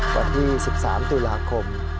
วันที่๑๓ตุลาคม